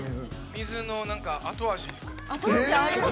水の後味ですか。